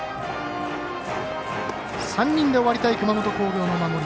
３人で終わった熊本工業の守り。